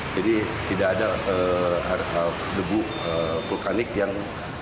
jadi tidak ada debu vulkanik yang